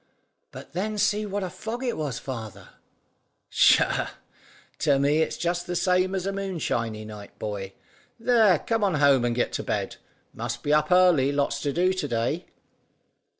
"But then see what a fog it was, father?" "Tchah! To me it's just the same as a moonshiny night, boy. There, come on home and get to bed. Must be up early; lots to do to day."